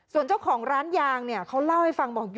ส่วนเจ้าของร้านยางเนี่ยเขาเล่าให้ฟังบอก